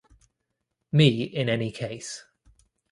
Me in any case.